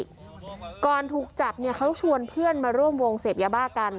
ก่อนถูกจับเนี่ยเขาชวนเพื่อนมาร่วมวงเสพยาบ้ากัน